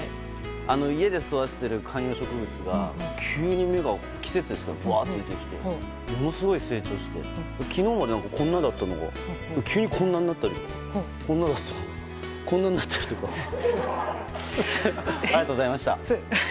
家で育てている観葉植物が急に芽が出てきてものすごい成長して昨日までこんなだったのが急にこんなになったりこんなになったりとかありがとうございました。